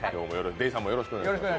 出井さんもよろしくお願いします。